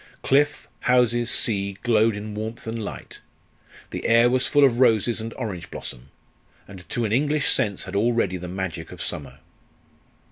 Cliff, houses, sea, glowed in warmth and light; the air was full of roses and orange blossom; and to an English sense had already the magic of summer.